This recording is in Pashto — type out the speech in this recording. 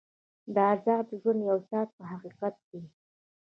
د ازاد ژوند یو ساعت په حقیقت کې.